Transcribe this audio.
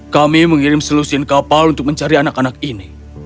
kami mengirim selusin kapal untuk mencari anak anak ini